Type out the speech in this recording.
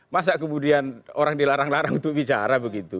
masa kemudian orang dilarang larang untuk bicara begitu